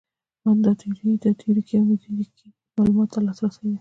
دا تیوریکي او میتودیکي معلوماتو ته لاسرسی دی.